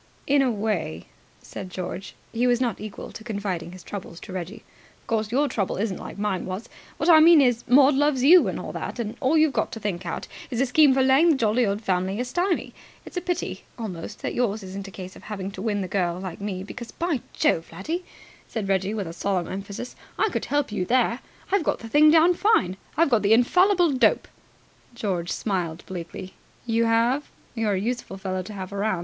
"In a way," said George. He was not equal to confiding his troubles to Reggie. "Of course, your trouble isn't like mine was. What I mean is, Maud loves you, and all that, and all you've got to think out is a scheme for laying the jolly old family a stymie. It's a pity almost that yours isn't a case of having to win the girl, like me; because by Jove, laddie," said Reggie with solemn emphasis, "I could help you there. I've got the thing down fine. I've got the infallible dope." George smiled bleakly. "You have? You're a useful fellow to have around.